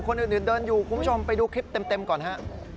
คนอื่นเดินอยู่คุณผู้ชมไปดูคลิปเต็มก่อนฮะ